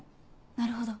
なるほど。